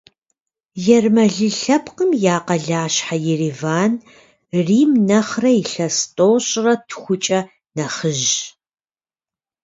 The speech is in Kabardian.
Ермэлы лъэпкъым я къалащхьэ Ереван Рим нэхъырэ илъэс тӏощӏрэ тхукӏэ нэхъыжьщ.